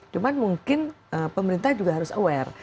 cuma mungkin pemerintah juga harus aware